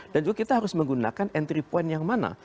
dan juga kita harus menggunakan entry point yang mana